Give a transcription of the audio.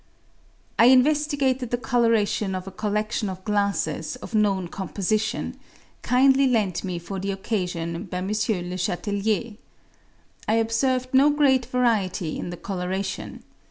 I investigated the colouration of a colledtion of glasses of known composition, kindly lent me for the occasion by M. Le Chatelier. I observed no great variety in the colouration.